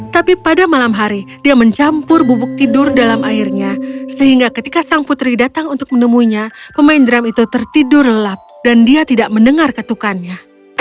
tapi pada malam hari dia mencampur bubuk tidur dalam airnya sehingga ketika sang putri datang untuk menemuinya pemain drum itu tertidur lelap dan dia tidak mendengar ketukannya